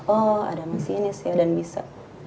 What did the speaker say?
oh ada masinis ya dan bisa